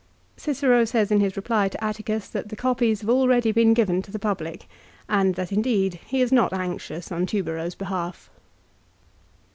Cicero says in his reply to Atticus that the copies have already been given to the public, and that, indeed, he is not anxious on Tubero's behalf.